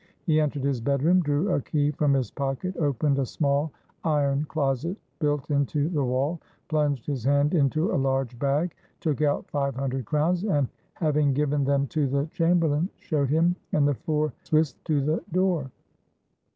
He entered his bedroom, drew a key from his pocket, opened a small iron closet built into the wall, plunged his hand into a large bag, took out five hundred crowns, and, having given them to the chamberlain, showed him and the four Swiss to the door.